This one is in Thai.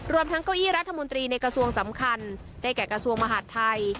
ทั้งเก้าอี้รัฐมนตรีในกระทรวงสำคัญได้แก่กระทรวงมหาดไทย